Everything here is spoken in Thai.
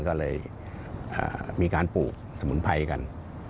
ก็เลยมีการปลูกสมุนไพรกัน